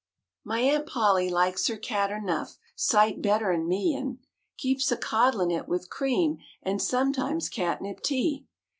My Aunt Polly likes her cat er nough sight better'n me, 'n' Keeps a coddlin' it 'ith cream 'n' sometimes catnip tea.